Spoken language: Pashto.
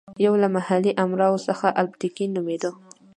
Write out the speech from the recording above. یو له محلي امراوو څخه الپتکین نومېده.